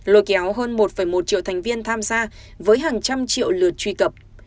lôi kéo hơn một một triệu thành viên tham gia với hàng trăm triệu lượt truy cập